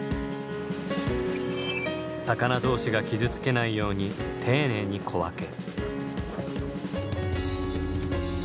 魚同士が傷つけないように丁寧に小分け。